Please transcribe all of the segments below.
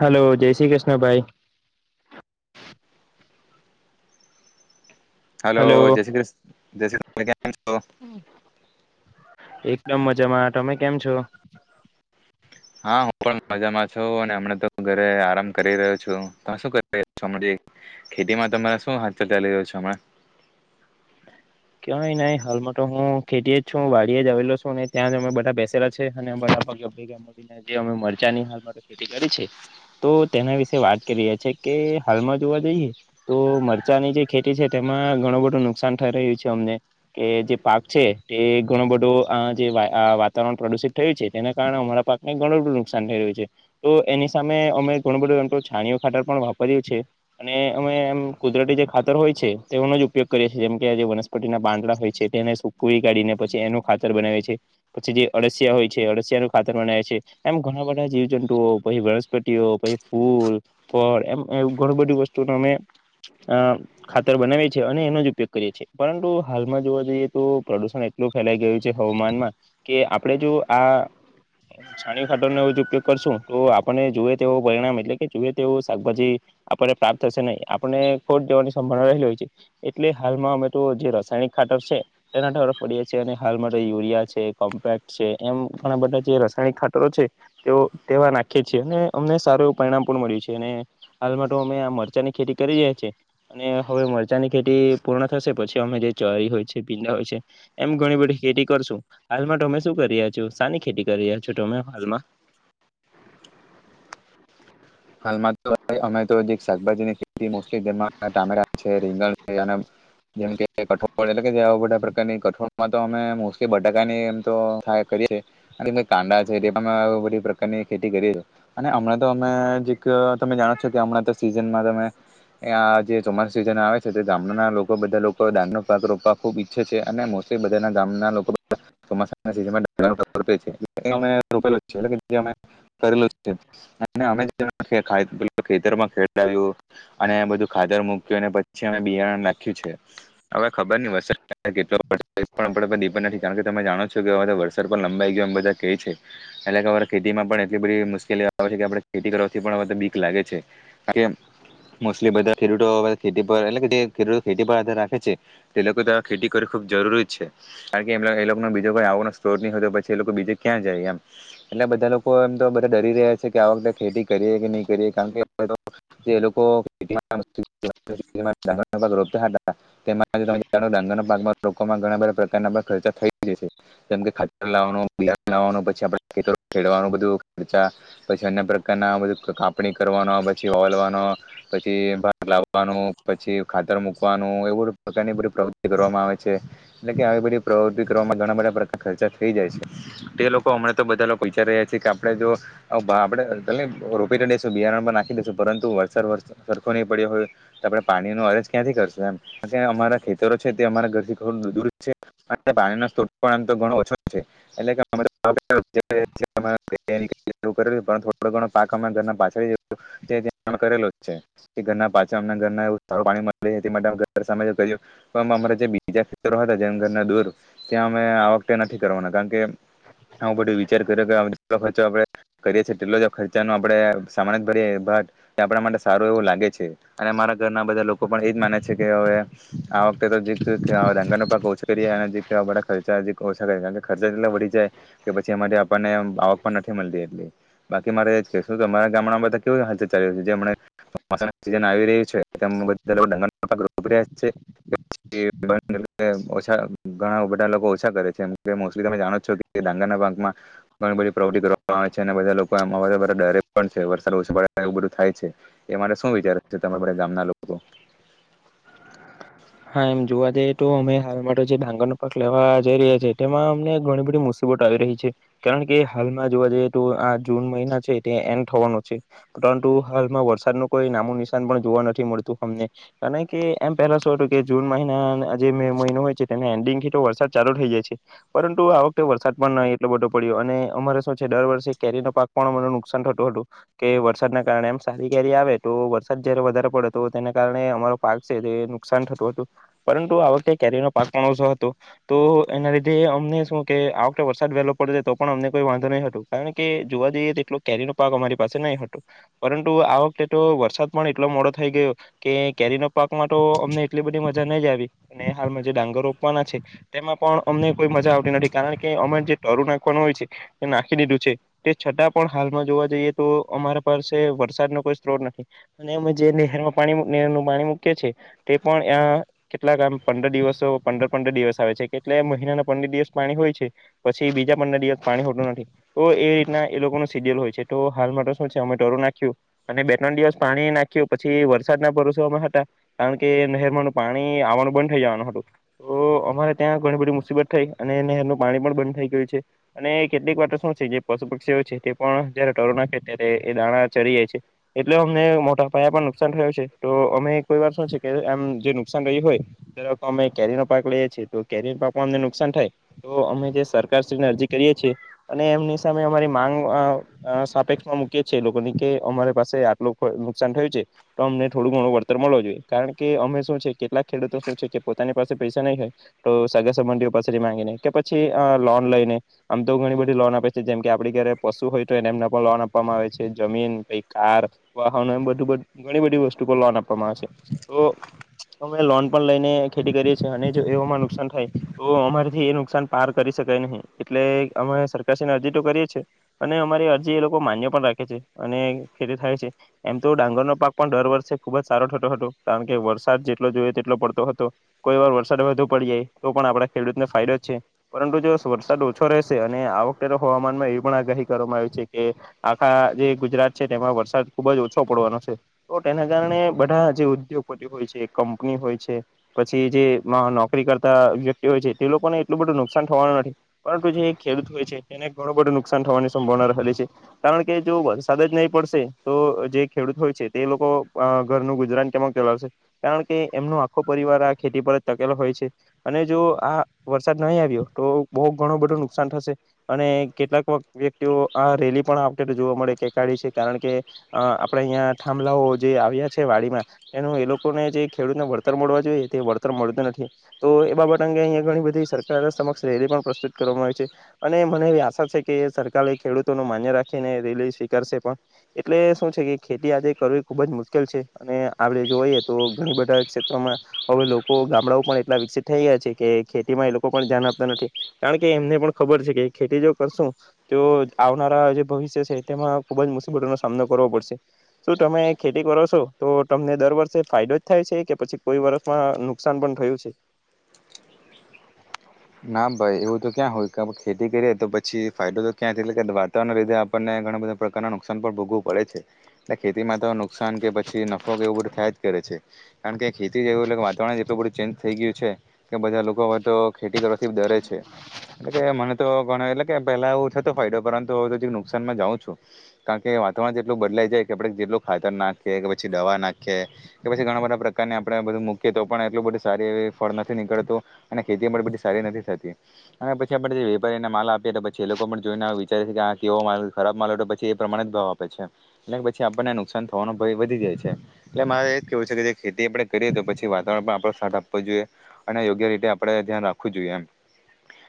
Hello જય શ્રી કૃષ્ણભાઈ hello જય શ્રી કૃષ્ણ જય શ્રી કૃષ્ણ કેમ છો એકદમ મજામાં તમે કેમ છો. હા હું પણ મજામાં છું અને હમણા તો ઘરે આરામ કરી રહ્યો છું તમે શું કરી રહ્યો છો અમડે ખેતીમાં તમારા શું હાાલચલ ચાલી રહ્યો છે હમણા કય નય હાલમાં તો હું ખેતીએ જ છું વાડીએ જ આવેલો છું અને ત્યાં જ અમે બધા બેસેલા છે અને બધા ભગા ભેગા મળીને જે અમે મરચાની હાલમાં તો ખેતી કરી છે તો તેના વિશે વાત કરી રહ્યા છેએ કે હાલમાં જોવા જઈએ તો મરચાંની જે ખેતી છે તેમાં ઘણું બધું નુકસાન થઈ રહ્યું છે. તે અમને કે જે પાક છે તે ઘણો બધો અ જે વા આ વાતાવરણ પ્રદુષિત થયું છે તેના કારણે અમારા પાકને ઘણું બધું નુકસાન થઈ રહ્યું છે તો એની સામે અમે ઘણું બધું નુકસાન થયું છે તો એની સામે અમે ઘણુ બધુ એમતો છાણીયુ ખાતર પણ વાપર્યું છે અને અમે એમ કુદરતી જે ખાતર હોય છે તેવોનો જ ઉપયોગ કરીએ છીએ જેમકે વનસ પતીના પાંદડા હોય છે તેને સુકવી કાઢીને પછી એનું ખાતર બનાવે છે પછી જે અળસિયા હોય છે અળસિયાનું ખાતર બનાવે છે એમ ઘણા બધા જીવજંતુઓ પછી વનસ્પતિઓ પછી ફૂલ ફળ એમ એવું ઘણું બધી વસ્તુનો અમે અ ખાતર બનાવીએ છે અને એનો જ ઉપયોગ કરીએ છે. પરંતુ હાલમાં જોવા જઈએ તો પ્રદુષણ એટલું ફેલાઈ ગયું છે હવામાનમાં કે આપણે જો આ છાણી ખાતરનો જ ઉપયોગ કરશું તો આપણને જોએ તેવું પરિણામ એટલે કે જુએ તેવો શાકભાજી આપણને પ્રાપ્ત થશે નહીં આપણનૂ ખોટ દેવાની સંભાવના રહેલી હોય છે એટલે હાલમાં અમે તો જે રસાયણિક ખાતર છે તેના તરફ પડીએ છે અને હાલ માટે યુરિયા છે કોમ્પેક્ટ છે એમ ઘણા બધા જે રાસાયણિક ખાતરો છે તેઓ તેવા નાખીએ છીએ અને અમને સારું એવું પરિણામ પણ મળ્યું છે અને હાલમાં તો અમે આ મરચાની ખેતી કરી રહીયા છીએ અને હવે મરચાની ખેતી પૂર્ણ થશે પછી અમે જે ચરી હોય છે ભીડા હોય છે એમ ઘણી બધી ખેતી કરશું હાલમાં તમે શું કરી રહ્યા છો સાની ખેતી કરી રહ્યા છો તમે હાલમાં હાલમાં તો અમે તો જે શાકભાજીને જે મોસ્ટલી જેમા ટમેટા છે. રીંગણ છે જેમ કે કઠોળ એટલે કે જે આવા બધા પ્રકારની કઠોળમાં તો અમે મોસ્ટલી બટાકાની એમ તો થાયા કરીએ છે અને કાંડા છે તે પણ આવુ બધી પ્રકારની ખેતી કરીએ અને હમણાં તો અમે જીક તમે જાણો છો કે હમણાં તો સીઝનમાં તમે આ જે ચોમાસુ સિઝન આવે છે તે ગામના લોકો બધા લોકો ડાગનુ પાક રોપવા ખુબ ઈચ્છે છે અને મોસટલી બધાના ગામના લોકો ચોમાસાની સિઝનમાં [inaudible] ખેતરમાં ખેળાવયુ અને બધું ખાતર મુક્યું અને પછી અમે બિયારણ નાખ્યું છે હવે ખબરની વરસાદ કેટલો તે પણ આપડા પર ડિપેન્ડ નથી કારણ કે તમે જાણો છો કે વરસાદ પણ લંબાઈ ગયો એમ બધા કે છે એટલે કે અવે ખેતીમાં પણ એટલી બધી મુશ્કેલી આવે છે કે આપણે ખેતી કરવાથી પણ અવે તો બીક લાગે છે કાર કે મોસ્ટલી બધા ખેડૂતો અવે ખેતી પર એટલે કે જે ખેડૂતો ખેતી પર આધાર રાખે છે તે લોકો તો ખેતી કરવી ખૂબ જરૂરી જ છે કારણ કે એમ એ લોકોનો બીજો કો આવનો સ્ત્રોત નહીં હોતો પછી એ લોકો બીજે ક્યાં જાય એમ એટલે બધા લોકો એમ તો બધા ડરી રહ્યા છે કે આ વખતે ખેતી કરીએ કે નહી કરીએ કારણ કે જે લોકો ડાંગર પા રોપતા હતા તેમાં તમે જાણો ડાંગરના પાક લોકોમાં ઘણા બધા પ્રકારના ખર્ચા થઈ જશે જેમ ખાત લવાનું લવાનું પછી ખે ખવાનું બ ખરા પછી અન્ય પ્રકાર પ્રકારના બધું કાપણી કરવાનો પછી ઓલવાનો પછી ભાગ લાવવાનો પછી ખાતર મૂકવાનું એવું પ્રકારની બધી પ્રવૃતિ કરવામાં આવે છે એટલે કે આવી બધી પ્રવૃત્તિ કરવામાં ઘણા બધા પ્રકાર ખર્ચા થઈ જાય છે તે લોકો હમણાં તો બધા લોકો વિચારી રહ્યા છે કે આપણે જો આપણે રોપી દસુ બિયારણ પણ નાખી દેસું પરંતુ વરસાદ વર સરખો નહી પડ્યો હોય તો આપણે પાણીનોો અરજ ક્યાંથી કરશું એમ અમારા ખેતરો છે તે અમારા ઘરથી દૂર છે પાણીના પાણી ઓછો જ છે એટલે પાછળ કરેલો છે ઘર પાછ અમ ઘર એવ સાર પાણી મળ અમા જે બીજા હતા જેમ ઘરના દૂર ત્યાં અમે આ વખતે નથી કરવાના કારણકે આું બધું વિચાર કર્યો કે જેટ ખર્ચો આપણે કરીએ છીએ તેટલો જ ખર્ચાનું આપણે સામાન જ ભરીએ બટ આપણા માટે સારું એવું લાગે છે અને મારા ઘરના બધા લોકો પણ એજ માને છે કે હવે આ વખતે તો જેકા ન ઓછા કરીએ અને ખર્ચા ઓછા કરી કારણ ખર્ચા એટલા વધી જાય કે પછી અમારી આપણને આવક પણ નથી મળતી એટલી. બાકી મારે સ્પેશલ તો અમારા ગામડામાં તો બધા કેવું ને [unintelligible] જે હમણાં અચાનક સીઝન આવી રિયુ છે તેમ બધા લોકો ડાંગરનો પાક રોપી રયા છે [unintelligible] ઘણા બધા લોકો ઓછા કરે છે. મોસલી તમે જાણો છો કે ડાંગરના પાકમાં ઘણી બધી પ્રોપર્ટી કરવામાં આવે છે અને બધા લોકો પણ અમારાવાડા બધા ડરે પણ છે વરસાદ ઓછો પડે ને એવું બધું થાય છે એ માટે શું વિચાર છે તમારા બધા ગામના લોકો હા એમ જોવા જઈએ તો અમે હાલ માટે જે ડાંગરનો પાક લેવા જઈ રહ્યા છે તેમાં અમને ઘણી બધી મુસીબત આવી રહી છે કારણ કે હાલમાં જોવા જઈએ તો આ જૂન મહિના છે તે એન્ડ થવાનો છે પરંતુ હાલમાં વરસાદ ન કોઈ નામું નિશાન પણ જોવા નથી મળતું અમને કારણ કે એમ પહેલા શું હતું કે જૂન મહિના જે મે મહિનો હોય છે તેના એન્ડિંગથી તો વરસાદ ચાલુ થઈ જાય છે પરંતુ આ વખતે વરસાદ પણ નહીં એટલો બધો પડ્યો અને અમારે શું છે દર વર્ષે કેરીનો પાક પણ અમરે નુકસાન થતું હતું કે વરસાદના કારણે આમ સારી કેરી આવે તો વરસાદ જયારે વધારે પડે હતો તેના કારણે અમારો પાક છે તે નુકસાન થ થતું હતું પરંતુ આ વખતે કેરીનો પાક પણ ઓછો હતો તો એના લીધે અમને શું કે આ વખતે વરસાદ વહેલો પડી રેતો તો પણ અમને કોઈ વાંધો નહી હતો કારણ કે જોવા જઈએ તો એટલો કેરીનો પાક અમારી પાસે નહી હતો પરંતુ આ વખતે તો વરસાદ પણ એટલો મોડો થઈ ગયો કે કેરીનો પાકમાં અમને એટલી બધી મજા નહી આવી ને હાલમાં જે ડાંગરો રોપવાના છે તેમાં પણ અમને કોઈ મજા આવતી નથી કારણ કે અમે જે તરું નાખવાનું હોય છે એ નાખી દીધું છે તે છતાં પણ હાલમાં જોવા જઈએ તો અમારા પાસે વરસાદ નો કોઈ સ્ત્રોત નથી અને અમે જે નેહરમા પાણી મુ નેહરનું પાણી મૂકીએ છે તે પણ આ કેટલાક આમ પંદર દિવસો પંદર પંદર દિવસ આવે છે કેટલે મહિનાના પંદર દિવસ પાણી હોય છે પછી બીજા પંદર દિવસ પાણી હોતું નથી તો એ રીતના એ લોકોનું સીડીયુલ હોય છે તો હાલ માટે તો શું છે અમે તરુ નાખ્યું અને બે ત્રણ દિવસ પાણી નાખ્યું પછી વરસાદના ભરોસો અમે હતા કારણ કે નહેરમાંનું પાણી આવવાનું બંધ થઈ જવાનું હતું તો અમારે ત્યાં ઘણી બધી મુસીબત થઈ અને નહેરનું પાણી પણ બંધ થઈ ગયું છે અને કેટલીક વાર શું છે જે પશુ પક્ષીઓ છે તે પણ જયારે તરૂ નાખે ત્યારે એ દાણા ચરી જાય છે એટલે અમને મોટા પાયા પણ નુકસાન થયું છે તો અમે કોઈ વાર શું છે કે એમ જે નુકસાન રહ્યું હોય અમે કેરીનો પાક લઈએ છીએ તો કેરી પાકમાં અમને નુકસાન થાય તો અમે જે સરકારશ્રીને અરજી કરીએ છીએ અને એમની સામે અમારી માંગ અ અ સાપેક્ષમાં મૂકીએ છીએ લોકોની કે અમારી પાસે આટલું નુકસાન થયું છે તો અમને થોડું ઘણું વળતર મળવું જોઈએ. કારણ કે અમે શું છે કેટલાક ખેડૂતો શું છે કે પોતાની પાસે પૈસા નહીં હોય તો સગા સંબંધીઓ પાસેથી માંગીને કે પછી અ લોન લઈને આમ તો ઘણી બધી લોન આપે છે જેમ કે આપડી ઘરે પશુ હોય તો એને એમના પણ લોન આપવામાં આવે છે જમીન કઈક કાર વાહનો એમ બધું બધું ઘણી બધી વસ્તુ પર લોન આપવામાં આવે છે. તો અમે લોન પણ લઈને ખેતી કરીએ છીએ અને જો એમાં નુકસાન થાય તો અમારેથી એ નુકસાન પાર કરી શકાય નહી એટલે અમે સરકારશને અરજી તો કરીએ છીએ અને અમારી અરજી એ લોકો માન્ય પણ રાખે છે અને ખેતી થાય છે એમ તો ડાંગરનો પાક પણ દર વર્ષે ખુબ જ સારો થતો હતો. કારણ કે વરસાદ જેટલો જોઈયો તેટલો પડતો હતો કોઈ વાર વરસાદ વધુ પડી જાય તો પણ આપણા ખેડૂતને ફાયદો જ છે પરંતુ જો વરસાદ ઓછો રહેશે અને આ વખતે તો હવામાનમાં એવી પણ આગાહી કરવામાં આવી છે કે આખા જે ગુજરાત છે તેમાં વરસાદ ખુબ જ ઓછો પડવાનો છે તો તેના કારણે બધા જે ઉદ્યોગપતિ હોય છે, કંપની હોય છે પછી જે નોકરી કરતા વ્યક્તિ હોય છે તે લોકોને એટલું બધું નુકસાન થવાનું નથી પરંતુ જે ખેડૂત હોય છે તેને ઘણું બધું નુકસાન થવાની સંભાવના રહેલી છે કારણ કે જો વરસાદ જ નહીં પડશે તો જે ખેડૂત હોય છે તે લોકો અ ઘરનું ગુજરાન કેમ ચલાવશે કારણ કે એમનો આખો પરિવાર આ ખેતી પર જ ટકેલો હોય છે અને જો આ વરસાદ નહી આવ્યો તો બો ઘણું બધું નુકસાન થશે અને કેટલાક વખ વ્યક્તિઓ આ રેલી પણ જોવા મળે છે કાઢે છે કારણ કે આપણે અહીંયા થંભલાઓ જે આવ્યા છે વાડીમાં એનું એ લોકોને જે ખેડૂતને વળતર મળવા જોઈએ તે વળતર મળતું નથી તો એ બાબત અંગે અહીંયા ઘણી બધી સરકાર સમક્ષ રેલી પણ પ્રસ્તુત કરવામાં આવી છે અને મને એવી આશા છે કે સરકાર એ ખેડૂતોનું માન્ય રાખીને રેલી સ્વીકારશે પણ એટલે શું છે કે ખેતી આજે કરવી ખૂબ જ મુશ્કેલ છે અને આપણે જોઈએ તો ઘણી બધા ક્ષેત્રોમાં હવે લોકો ગામડાઓ પણ એટલા વિકસિત થઈ ગયા છે કે ખેતીમાં એ લોકો પણ ધ્યાન આપતા નથી કારણકે એમને પણ ખબર છે કે ખેતી જો કરશું તો આવનારા જે ભવિષ્ય છે તેમાં ખુબ જ મુશ્કેલીનો સામનો કરવો પડશે શું તમે ખેતી કરો છો તો તમને દર વર્ષે ફાયદો જ થાય છે કે પછી કોઈ વર્ષમાં નુકસાન પણ થયું છે. ના ભાઈ એવું તો ક્યાં હોય કે ખેતી કરીએ તો પછી ફાયદો તો ક્યાં છે એટલે કે વાતાવરણને લીધે આપણને ઘણા બધા પ્રકારના નુકસાન પણ ભોગવું પડે છે. એટલે ખેતીમાં તો નુકસાન કે પછી નફો કે એવું બધું થાય જ કરે છે. કારણ કે ખેતી જેવું એટલે વાતાવરણ જેટલું બધું ચેન્જ થઈ ગયું છે કે બધા લોકો હવે તો ખેતી કરવાથી ડરે છે એટલે કે મને તો ઘણા એટલે કે પેલા એવું થતું હોય તો પરંતુ હવેથી નુકસાનમાં જાઉ છું કારણ કે વાતાવરણ જેટલું બદલાઈ જાય કે આપડે જેટલું ખાતર નાખીએ કે પછી દવા નાખીએ કે પછી ઘણા બધા પ્રકારને આપડણે બધું મૂકીએ તો પણ એટલું બધું સારી એવી ફળ નથી નીકળતું અને ખેતી એ બધી સારી નથી થતી અને પછી આપણે જે વેપારીને માલ આપીએ તો પછી એ લોકો પણ જોઈને વિચારે છે કે આ કેવો માલ ખરાબ માલ હોય તો પછી એ પ્રમાણે જ ભાવ આપે છે એટલે પછી આપણને નુકસાન થવાનો ભય વધી જાય છે એટલે મારે એ જ કેહેવું છે કે જે ખેતી આપણે કરીએ તો પછી વાતાવરણ પણ આપણો સાથ આપવો જોઈએ અને યોગ્ય રીતે આપડે ધ્યાન રાખવું જોઈએ એમ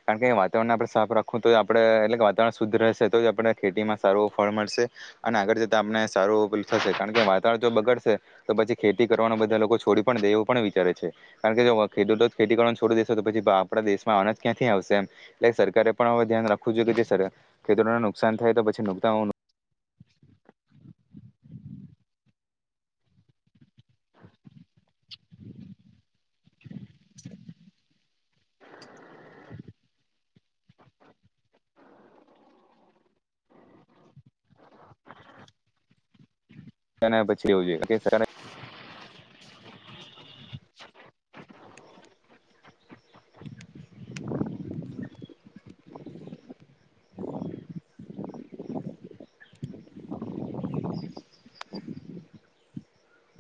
કારણ કે વાતાવરણને આપણે સાફ રાખું તો આપણેે એટલે કે વાતાવરણ શુદ્ધ રહેશે તો જ આપને ખેતીમાં સારું ફળ મળશે અને આગળ જતા આપને સારુ પેલું થશે કારણ કે વાતાવરણ જો બગડશે તો પછી ખેતી કરવાનું બધા લોકો છોડી પણ દે એવું પણ વિચારે છે કારણ કે જો ખેડૂતો જ ખેતી કરવા છોડી દે પછી આપણા દેશમાં અનાજ ક્યાંથી આવશે એમ એટલે સરકારે પણ હવે ધ્યાન રાખવું જો કે જે સર ખેતરોને નુકસાન થાય તો પછી નક [unintelligible]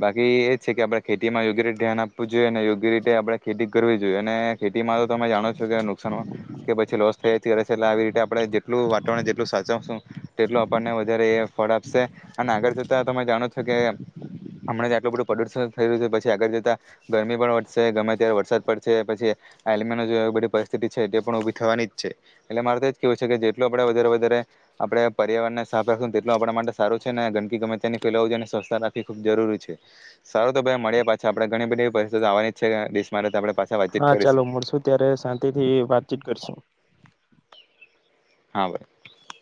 બાકી એ જ છે કે આપણે ખેતીમાં યોગ્ય રીતે ધ્યાન આપવું જોઈએ અને યોગ્ય રીતે આપણે ખેતી કરવી જોઈએ અને ખેતીમાં તો તમે જાણો છો કે નુકસાન કે પછી લોસ થયાશે એટલે આવી રીતે આપણે જેટલું વાતાવરણ જેટલું સાચવશું તેટલું આપણને વધારે ફળ આપશે અને આગળ જતાં તમે જાણો છો કે હમણા ત્યા આટલું બધું પ્રદુષણ થઈ રહ્યું છે પછી આગળ જતા ગરમી પણ વધશે ગમે ત્યારે વરસાદ પડશે પછી આલમન બધી પરિસ્થિતિ છે એ પણ ઉભી થવાની જ છે એટલે મારે તો જ કેવું છે કે જેટલું આપણેે વધારે વધારે આપણે પર્યાવરણને સાફ રાખું તેટલુ આપણા માટે સારું છે ને ગંદકી ગમે ત્યાં ની ફેલાવું જોઈ અને સ્વસ્છ રાખી ખૂબ જરૂરી છે. સારું તો ભાઈ મળીએ પાછા આડણે ઘણી બધી એવી પરિસ્થિતિ આવવાની જ છે દેશમાં આપણે પાછા વાતચીત હા ચાલો કરીશું મળશું ત્યારે શાંતિથી વાતચીત કરશું. હા ભાઈ.